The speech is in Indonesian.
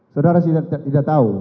saudara tidak tahu